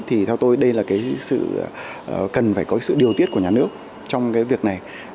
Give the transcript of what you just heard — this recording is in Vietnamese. theo tôi đây là sự cần phải có sự điều tiết của nhà nước trong việc này